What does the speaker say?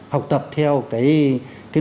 học tập theo cái